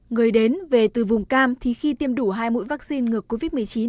người đến về từ vùng cam thì khi tiêm đủ hai mũi vaccine ngừa covid một mươi chín